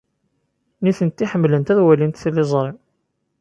Nitenti ḥemmlent ad walint tiliẓri.